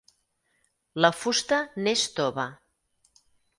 La fusta n'és tova.